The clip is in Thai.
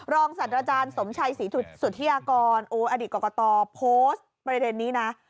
รองสัตว์อาจารย์สมชัยศีรษุธิากรออกอกตอโพสต์ประเด็นนี้นะ